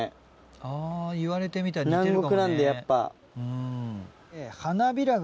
あぁ言われてみたら似てるかもね。